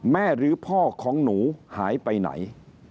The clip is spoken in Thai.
หรือพ่อของหนูหายไปไหน